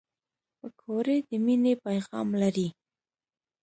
پکورې د مینې پیغام لري